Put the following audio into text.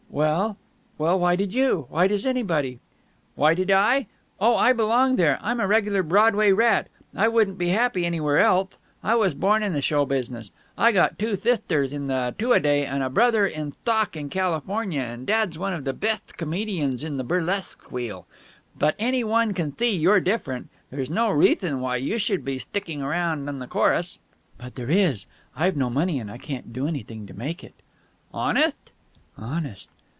"Well ... well, why did you? Why does anybody?" "Why did I? Oh, I belong there. I'm a regular Broadway rat. I wouldn't be happy anywhere elthe. I was born in the show business. I've got two thithters in the two a day and a brother in thtock in California and dad's one of the betht comedians on the burlethque wheel. But any one can thee you're different. There's no reathon why you should be sticking around in the chorus." "But there is. I've no money, and I can't do anything to make it." "Honetht?" "Honest."